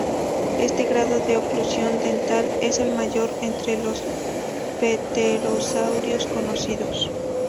Este grado de "oclusión dental" es el mayor entre los pterosaurios conocidos.